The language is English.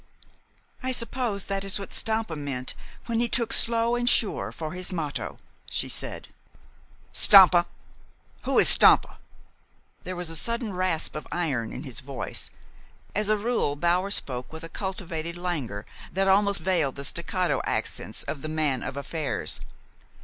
"I suppose that is what Stampa meant when he took 'Slow and Sure' for his motto," she said. "Stampa! Who is Stampa?" There was a sudden rasp of iron in his voice. As a rule Bower spoke with a cultivated languor that almost veiled the staccato accents of the man of affairs.